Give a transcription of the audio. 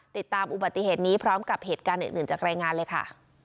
ติดตามอุบัติเหตุนี้พร้อมกับเหตุการณ์อื่นจากรายงานเลยค่ะ